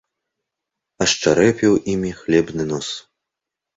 Ашчарэпіў імі хлебны нос.